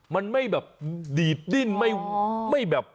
มันไม่แบบดีดดิ้นไม่แบบ